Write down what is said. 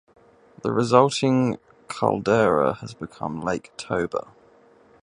The resulting caldera has become Lake Toba.